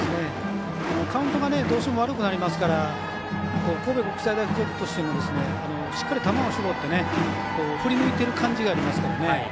カウントがどうしても悪くなるので神戸国際大付属としてもしっかり球を絞って振り抜いている感じがありますから。